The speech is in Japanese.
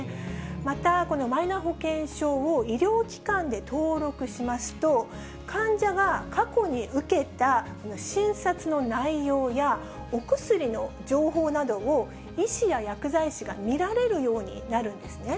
またこのマイナ保険証を医療機関で登録しますと、患者が過去に受けた診察の内容や、お薬の情報などを、医師や薬剤師が見られるようになるんですね。